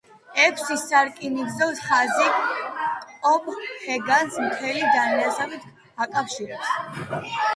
ექვსი სარკინიგზო ხაზი კოპენჰაგენს მთელს დანიასთან აკავშირებს.